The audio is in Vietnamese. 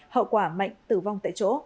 hậu quả mạnh tử vong tại chỗ